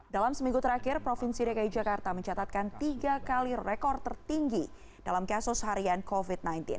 dalam seminggu terakhir provinsi dki jakarta mencatatkan tiga kali rekor tertinggi dalam kasus harian covid sembilan belas